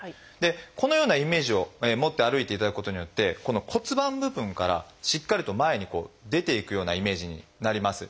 このようなイメージを持って歩いていただくことによってこの骨盤部分からしっかりと前に出て行くようなイメージになります。